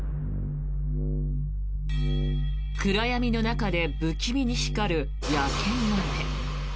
暗闇の中で不気味に光る野犬の目。